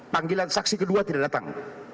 panggilan saksi kedua tidak datang